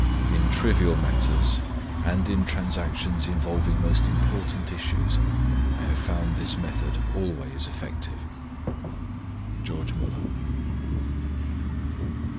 In trivial matters, and in transactions involving most important issues, I have found this method always effective. GEORGE MÜLLER.